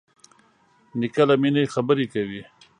نیکه له مینې خبرې کوي.